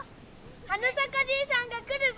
花さかじいさんが来るぞ！